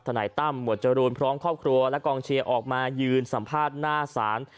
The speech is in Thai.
นายตั้มหมวดจรูนพร้อมครอบครัวและกองเชียร์ออกมายืนสัมภาษณ์หน้าศาล